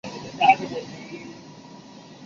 母亲是于大之方。